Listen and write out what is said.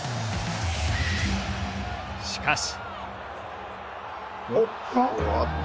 しかし。